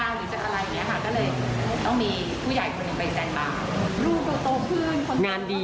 งานดีค่ะงานดี